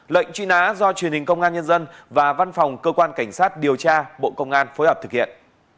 lệnh truy nã do truyền hình công an nhân dân và văn phòng cơ quan cảnh sát điều tra bộ công an phối hợp thực hiện